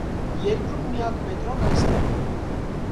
Երկրում միակ մետրոն այստեղ է։